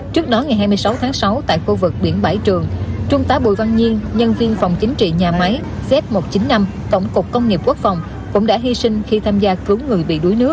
trước đó ngày hai mươi sáu tháng sáu tại khu vực biển bảy trường trung tá bùi văn nhiên nhân viên phòng chính trị nhà máy z một trăm chín mươi năm tổng cục công nghiệp quốc phòng cũng đã hy sinh khi tham gia cứu người bị đuối nước